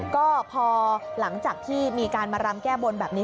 ก็พอหลังจากที่มีการมารำแก้บนแบบนี้